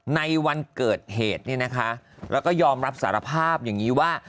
ในวันเกิดเหตุเนี่ยนะคะแล้วก็ยอมรับสารภาพอย่างนี้ว่า